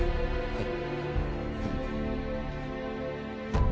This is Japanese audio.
はい。